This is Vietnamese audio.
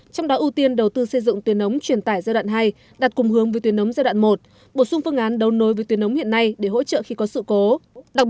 trong đó ưu tiên đầu tư xây dựng tuyến ống truyền tải giai đoạn hai đặt cùng hướng với tuyến ống giai đoạn một bổ sung phương án đấu nối với tuyến ống hiện nay để hỗ trợ khi có sự cố